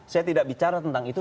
saya tidak bicara tentang itu